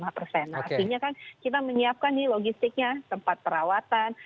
artinya kan kita menyiapkan nih logistiknya tempat perawatan